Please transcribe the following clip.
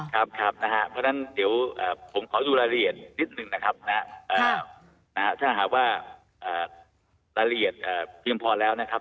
เพราะฉะนั้นเดี๋ยวผมขอดูรายละเอียดนิดหนึ่งนะครับถ้าหากว่ารายละเอียดเพียงพอแล้วนะครับ